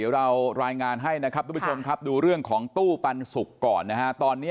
เราจะรายงานให้ทุกคนดูเรื่องของตู้ปันสุกก่อน